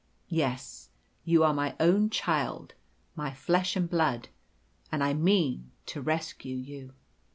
Yes, you are my own child, my flesh and blood, and I mean to rescue you.